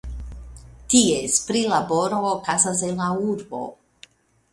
Ties prilaboro okazas en la urbo.